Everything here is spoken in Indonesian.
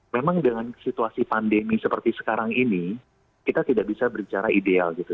memang dengan situasi pandemi seperti sekarang ini kita tidak bisa berbicara ideal gitu